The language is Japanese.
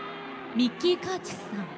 ミッキー・カーチスさん